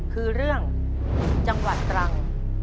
คือเรื่องจังหวัดตรัง